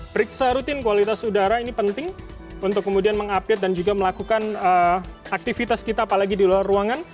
periksa rutin kualitas udara ini penting untuk kemudian mengupdate dan juga melakukan aktivitas kita apalagi di luar ruangan